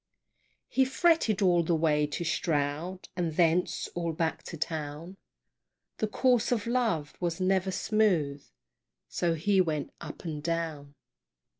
He fretted all the way to Stroud, And thence all back to town, The course of love was never smooth, So his went up and down.